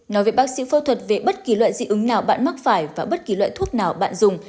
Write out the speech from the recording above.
nói về bác sĩ phẫu thuật về bất kỳ loại dị ứng nào bạn mắc phải và bất kỳ loại thuốc nào bạn dùng